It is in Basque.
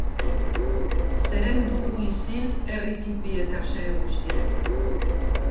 Zeren dugu isil, herri tipi eta xehe guztiek!